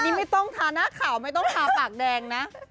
นี่ไม่ต้องทาหน้าข่าวไม่ต้องทาปากแดงนะ